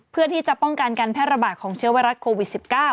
เพื่อที่จะป้องกันการแพร่ระบาดของเชื้อไวรัสโควิด๑๙